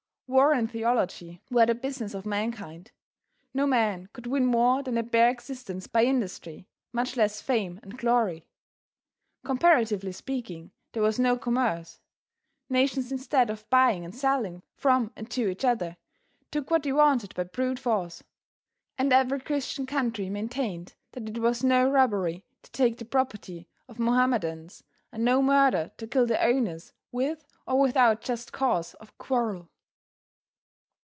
War and theology were the business of mankind. No man could win more than a bare existence by industry, much less fame and glory. Comparatively speaking, there was no commerce. Nations instead of buying and selling from and to each other, took what they wanted by brute force. And every Christian country maintained that it was no robbery to take the property of Mohammedans, and no murder to kill the owners with or without just cause of quarrel.